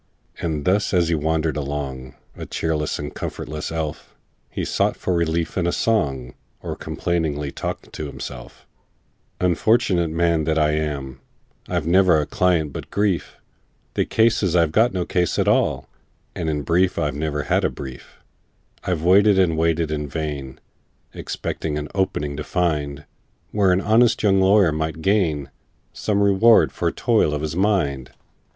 And thus as he wandered along, A cheerless and comfortless elf, He sought for relief in a song, Or complainingly talked to himself:— "Unfortunate man that I am! I've never a client but grief: The case is, I've no case at all, And in brief, I've ne'er had a brief! "I've waited and waited in vain, Expecting an 'opening' to find, Where an honest young lawyer might gain Some reward for toil of his mind.